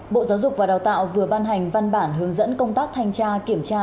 bộ giáo dục và đào tạo vừa ban hành văn bản hướng dẫn công tác thanh tra kiểm tra